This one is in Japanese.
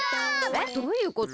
えっどういうこと？